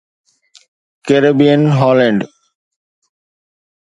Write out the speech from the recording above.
Caribbean Holland